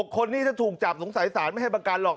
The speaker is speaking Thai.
คนนี้ถ้าถูกจับสงสัยสารไม่ให้ประกันหรอก